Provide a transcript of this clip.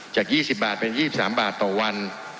จาก๒๐บาทเป็น๒๓บาทต่อวัน